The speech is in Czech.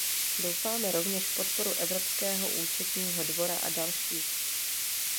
Doufáme rovněž v podporu Evropského účetního dvora a dalších.